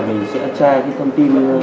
mình sẽ trai cái thông tin